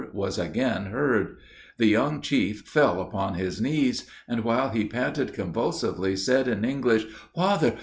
was again heard. The young chief fell upon his knees, and, while he panted convulsively, said, in English, "Father!